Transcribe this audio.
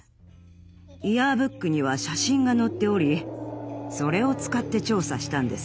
イヤーブックには写真が載っておりそれを使って調査したんです。